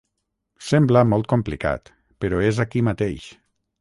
Sembla molt complicat, però és aquí mateix.